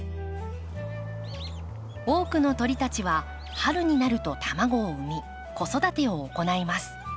多くの鳥たちは春になると卵を産み子育てを行います。